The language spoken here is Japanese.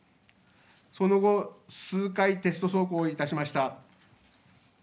その後、数回、テスト走行をいたしました。